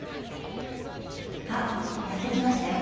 あやって来ましたよ。